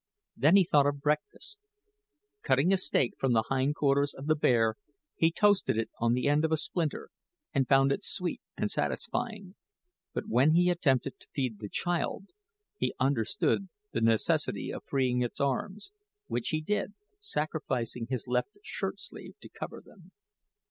Then he thought of breakfast. Cutting a steak from the hindquarters of the bear, he toasted it on the end of a splinter and found it sweet and satisfying; but when he attempted to feed the child, he understood the necessity of freeing its arms which he did, sacrificing his left shirtsleeve to cover them.